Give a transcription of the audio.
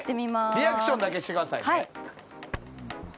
リアクションだけしてくださいね。